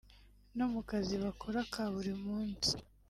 no mu kazi bakora ka buri munsi